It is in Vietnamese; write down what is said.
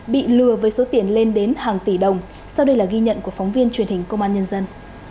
bị lừa với số tiền lên đến hàng tỷ đồng sau đây là ghi nhận của phóng viên truyền hình công an nhân dân